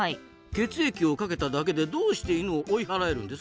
血液をかけただけでどうしてイヌを追い払えるんですか？